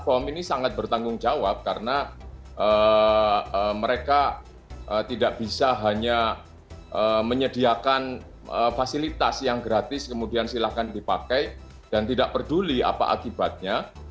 form ini sangat bertanggung jawab karena mereka tidak bisa hanya menyediakan fasilitas yang gratis kemudian silahkan dipakai dan tidak peduli apa akibatnya